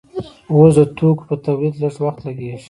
اوس د توکو په تولید لږ وخت لګیږي.